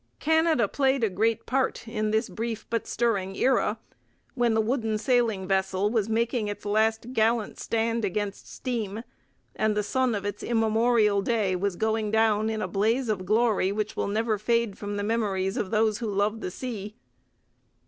Canada played a great part in this brief but stirring era, when the wooden sailing vessel was making its last gallant stand against steam, and the sun of its immemorial day was going down in a blaze of glory which will never fade from the memories of those who love the sea.